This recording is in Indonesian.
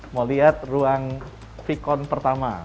mau lihat ruang vikon pertama